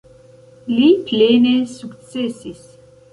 Li plene sukcesis.